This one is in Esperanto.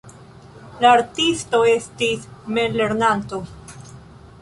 La artisto estis memlernanto.